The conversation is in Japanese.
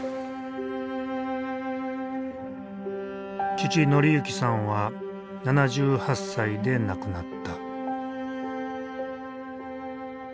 父紀幸さんは７８歳で亡くなった。